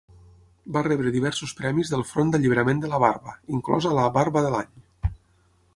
Va rebre diversos premis del front d'alliberament de la barba, inclosa la "Barba de l'any".